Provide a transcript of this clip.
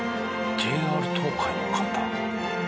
ＪＲ東海の方。